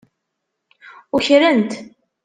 Ukren-t.